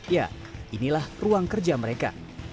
ya inilah ruang kerja mereka